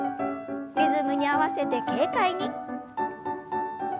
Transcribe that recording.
リズムに合わせて軽快に。